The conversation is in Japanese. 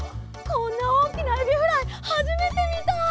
こんなおおきなエビフライはじめてみた！